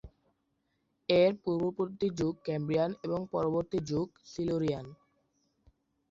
এর পূর্ববর্তী যুগ ক্যাম্ব্রিয়ান এবং পরবর্তী যুগ সিলুরিয়ান।